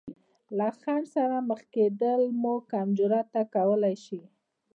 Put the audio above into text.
له خنډ سره مخ کېدل مو کم جراته کولی شي.